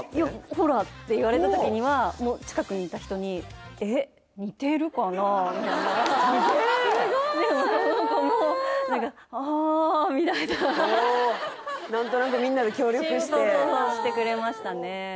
ほら！って言われた時には近くにいた人にすげえでもその子も「あ」みたいな何となくみんなで協力してしてくれましたね